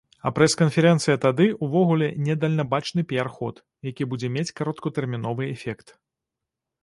А прэс-канферэнцыя тады ўвогуле недальнабачны піяр-ход, якія будзе мець кароткатэрміновы эфект.